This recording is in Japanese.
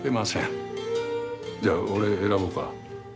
じゃあ俺選ぼうか？